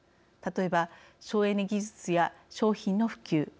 例えば省エネ技術や商品の普及。